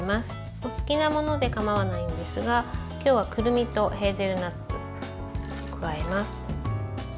お好きなもので構わないですが今日は、くるみとヘーゼルナッツを加えます。